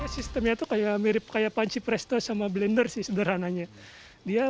sistemnya itu mirip kayak panci presto sama blender sih sederhananya